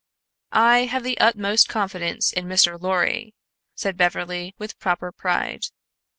"I have the utmost confidence in Mr. Lorry," said Beverly, with proper pride.